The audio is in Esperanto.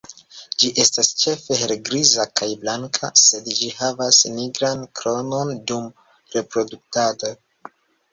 Ĝi estas ĉefe helgriza kaj blanka, sed ĝi havas nigran kronon dum reproduktado.